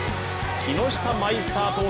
木下マイスター